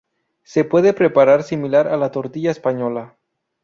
Se puede preparar similar a la tortilla española.